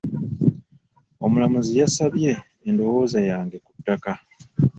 Omulamuzi yasabye ondowooza yange ku ttaka.